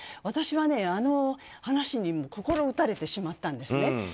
私はね、あの話に心打たれてしまったんですね。